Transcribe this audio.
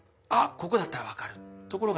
ここだったら分かる」ところがね